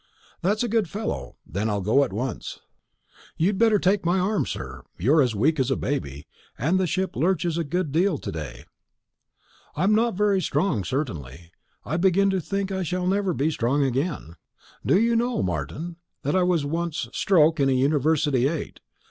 "That's a good fellow. Then I'll go at once." "You'd better take my arm, sir; you're as weak as a baby, and the ship lurches a good deal to day." "I'm not very strong, certainly. I begin to think I never shall be strong again. Do you know, Martin, I was once stroke in a university eight.